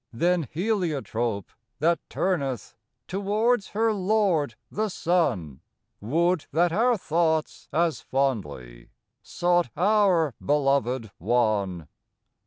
Then heliotrope, that turneth Towards her lord the sun,— Would that our thoughts as fondly Sought our beloved One.